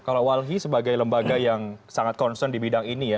kalau walhi sebagai lembaga yang sangat concern di bidang ini ya